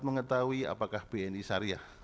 mengetahui apakah bni syariah